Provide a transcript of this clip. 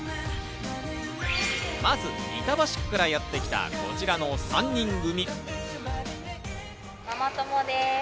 まず板橋区からやってきたこちらの３人組。